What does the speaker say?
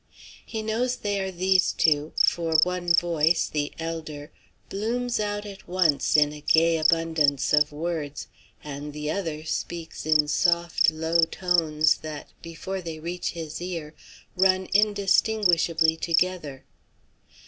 He knows they are these two, for one voice, the elder, blooms out at once in a gay abundance of words, and the other speaks in soft, low tones that, before they reach his ear, run indistinguishably together.